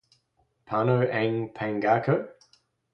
Paano ang Pangako?